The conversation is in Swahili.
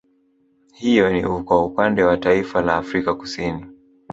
Hiyo ni kwa Upande wa Taifa la Afrika Kusini